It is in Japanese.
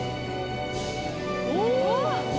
お！